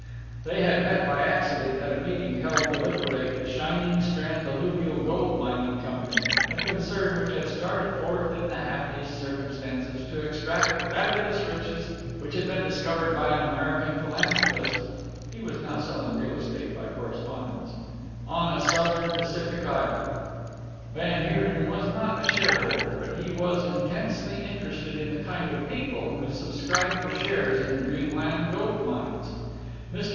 They had met by accident at a meeting held to liquidate the Shining Strand Alluvial Gold Mining Company a concern which had started forth in the happiest circumstances to extract the fabulous riches which had been discovered by an American philanthropist (he is now selling Real Estate by correspondence) on a Southern Pacific island. Van Heerden was not a shareholder, but he was intensely interested in the kind of people who subscribe for shares in Dreamland Gold mines. Mr.